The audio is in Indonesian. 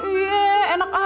iya enak aja